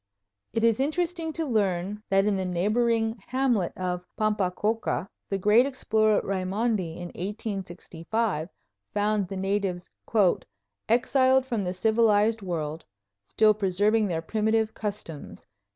It is interesting to learn that in the neighboring hamlet of Pampacolca, the great explorer Raimondi, in 1865, found the natives "exiled from the civilized world, still preserving their primitive customs...